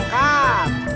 gak ada de